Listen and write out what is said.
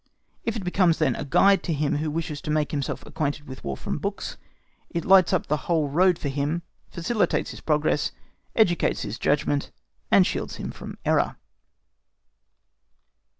It becomes then a guide to him who wishes to make himself acquainted with War from books; it lights up the whole road for him, facilitates his progress, educates his judgment, and shields him from error.